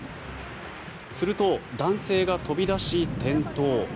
すると男性が飛び出し、転倒。